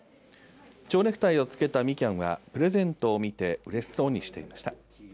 ちょうネクタイをつけたみきゃんはプレゼントを見てうれしそうにしていました。